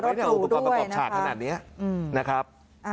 เนี่ยอุปกรณ์ประกอบฉากขนาดนี้นะครับ